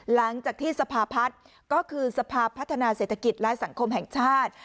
หลังจากที่สภาพัฒน์ก็คือสภาพัฒนาเศรษฐกิจและสังคมแห่งชาติ